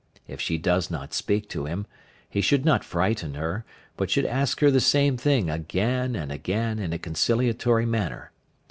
If she does not speak to him, he should not frighten her, but should ask her the same thing again and again in a conciliatory manner.